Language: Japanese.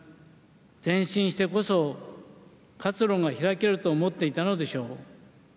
前進してこそ活路が開けると思っていたのでしょう。